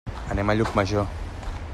Anem a Llucmajor.